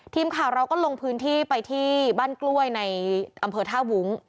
ทีมข่าวเราก็ลงพื้นที่ไปที่บ้านกล้วยในอำเภอท่าวุ้ง